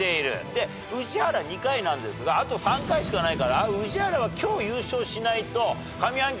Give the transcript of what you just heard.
で宇治原２回なんですがあと３回しかないから宇治原は今日優勝しないと上半期の優勝はなくなると。